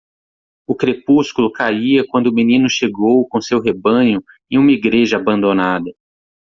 O crepúsculo caía quando o menino chegou com seu rebanho em uma igreja abandonada.